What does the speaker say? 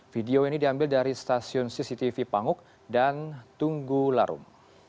video ini diambil dari stasiun cctv panguk dan tunggu larum